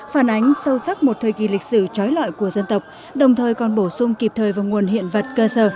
phản ánh sâu sắc một thời kỳ lịch sử trói loại của dân tộc đồng thời còn bổ sung kịp thời vào nguồn hiện vật cơ sở